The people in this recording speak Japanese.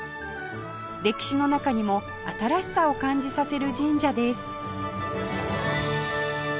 歴史の中にも新しさを感じさせる神社です